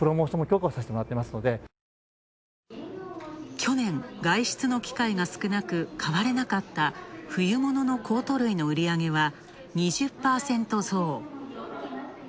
去年、外出の機会が少なく、買われなかった冬物のコート類の売り上げは２０％増。